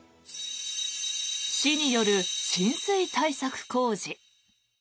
市による浸水対策工事。